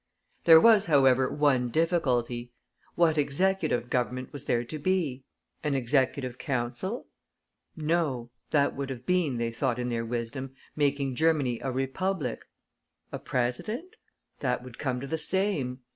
There was, however, one difficulty. What Executive Government was there to be? An Executive Council? No; that would have been, they thought in their wisdom, making Germany a Republic. A "president"? That would come to the same.